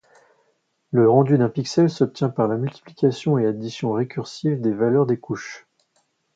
Le rendu d'un pixel s'obtient par multiplication et addition, récursive, des valeurs des couches.